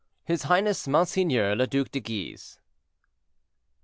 HIS HIGHNESS MONSEIGNEUR LE DUC DE GUISE.